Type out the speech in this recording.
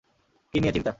কি নিয়ে চিন্তা?